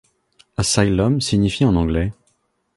Asylum signifie en anglais.